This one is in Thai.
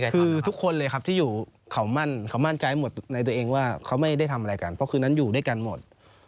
คือทุกคนเลยครับที่อยู่เขามั่นเขามั่นใจหมดในตัวเองว่าเขาไม่ได้ทำอะไรกันเพราะคืนนั้นอยู่ด้วยกันหมด